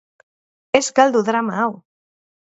Ez galdu drama hau!